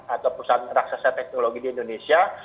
atau pusat raksasa teknologi di indonesia